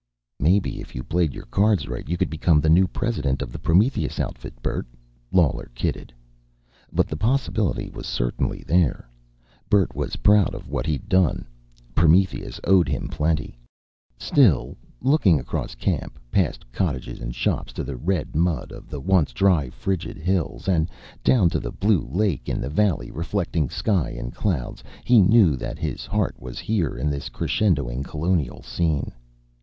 "Maybe, if you played your cards right, you could become the new president of the Prometheus outfit, Bert," Lawler kidded. But the possibility was certainly there. Bert was proud of what he'd done. Prometheus owed him plenty. Still, looking across camp past cottages and shops to the red mud of the once dry, frigid hills, and down to the blue lake in the valley, reflecting sky and clouds, he knew that his heart was here in this crescendoing colonial scene.